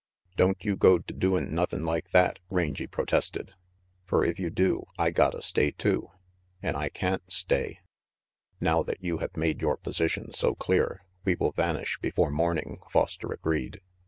"Don't you go to doin' nothin' like that," Rangy protested, "fer if you do, I gotta stay too, an' I can't stay." 234 RANGY PETE 'lf>aiv "Now that you have made your position so clear, we will vanish before morning," Foster agreed.